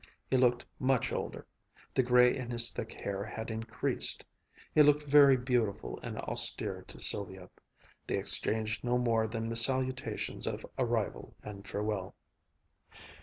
He looked much older. The gray in his thick hair had increased. He looked very beautiful and austere to Sylvia. They exchanged no more than the salutations of arrival and farewell.